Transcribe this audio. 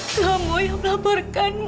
kamu yang pelaporkan mama